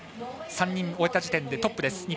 ３人終えた時点でトップです。